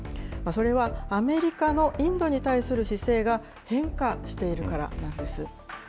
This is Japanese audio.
それはアメリカのインドに対する姿勢が変化しているからなんです。